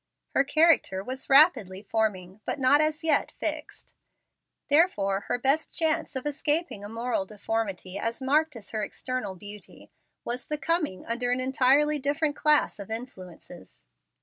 Her character was rapidly forming, but not as yet fixed. Therefore her best chance of escaping a moral deformity as marked as her external beauty was the coming under an entirely different class of influences.